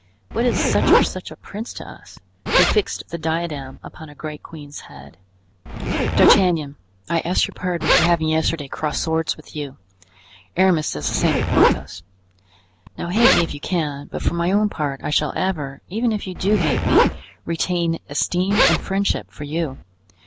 What is such or such a prince to us, who fixed the diadem upon a great queen's head? D'Artagnan, I ask your pardon for having yesterday crossed swords with you; Aramis does the same to Porthos; now hate me if you can; but for my own part, I shall ever, even if you do hate me, retain esteem and friendship for you.